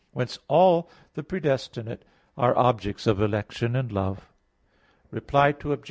Whence all the predestinate are objects of election and love. Reply Obj.